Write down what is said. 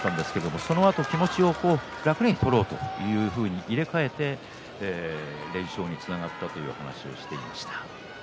そのあと気持ちを切り替えて楽に取ろうと切り替えて連勝につながったという話をしていました。